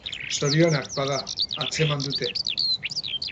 Zorionez, bada, atzeman dute.